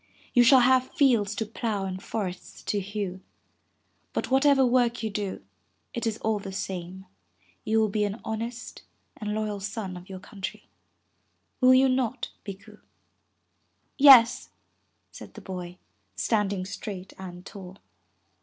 You shall have fields to plow and forests to hew. But what ever work you do, it is all the same, you will be an honest and loyal son of your country. Will you not, Bikku?' Yes,'' said the boy, standing straight and tall.